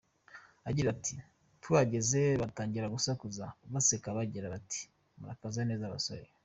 Agira ati “Tuhageze batangiye gusakuza baseka bagira bati ‘murakaza neza basore’.